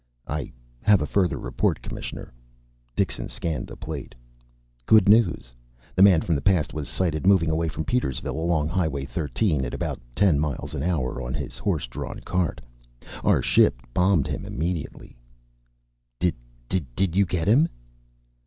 "I have a further report, Commissioner." Dixon scanned the plate. "Good news. The man from the past was sighted moving away from Petersville, along highway 13, at about ten miles an hour, on his horse drawn cart. Our ship bombed him immediately." "Did did you get him?"